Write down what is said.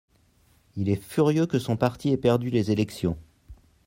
il est furieux que son parti ait perdu les élections.